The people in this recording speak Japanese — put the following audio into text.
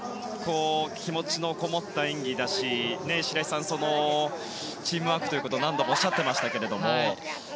気持ちのこもった演技だし白井さん、チームワークということを何度もおっしゃっていましたけれども。